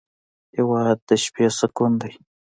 هېواد د شپې سکون دی.